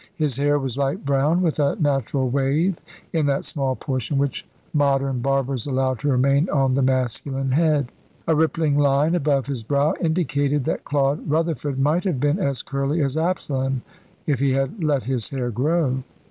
His hair was light brown, with a natural wave in that small portion which modern barbers allow to remain on the masculine head. A rippling line above his brow indicated that Claude Rutherford might have been as curly as Absalom if he had let his hair grow.